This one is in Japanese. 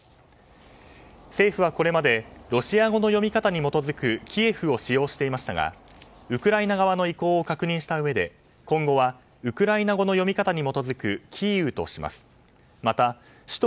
政府はこれまでロシア語の読み方に基づくキエフを使用していましたがウクライナ側の意向を確認したうえで今後はウクライナ語の読み方に基づくキーウとします。